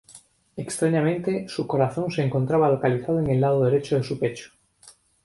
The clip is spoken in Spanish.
Extrañamente, su corazón se encontraba localizado en el lado derecho de su pecho.